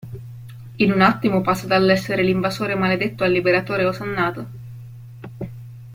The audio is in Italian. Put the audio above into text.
In un attimo passo dall'essere l'invasore maledetto al liberatore osannato.